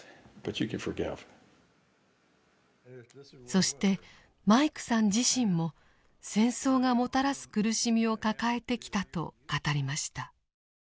そしてマイクさん自身も戦争がもたらす苦しみを抱えてきたと語りました。